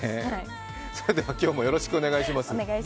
それでは今日もよろしくお願いします。